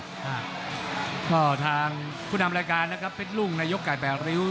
อ่าก็ทางผู้นำรายการนะครับเพชรลุงนายกไก่แปดริ้ว